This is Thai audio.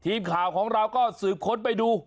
ทีมข่าวของเราก็สืบค้นไปดู